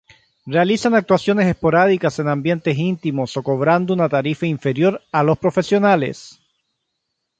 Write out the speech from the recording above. Realizan actuaciones esporádicas en ambientes íntimos o cobrando una tarifa inferior a los profesionales.